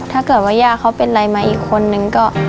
ถ้าเกิดว่าย่าเขาเป็นอะไรมาอีกคนนึงก็